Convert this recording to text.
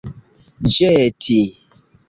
ĵeti